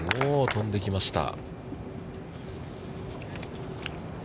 飛んでいきました。